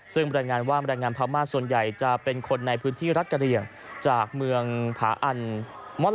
ซึ่งบรรยายงานว่าแรงงานพม่าส่วนใหญ่จะเป็นคนในพื้นที่รัฐกะเหลี่ยงจากเมืองผาอันม่อน